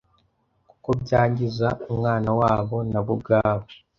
kuko byangiza umwana wabo nabo ubwabo.